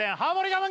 我慢